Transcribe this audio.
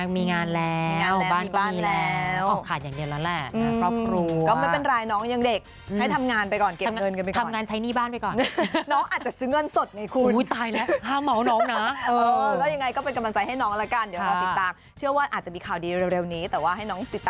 มาให้น้องติดตามผลงานกันไปก่อนนะคะ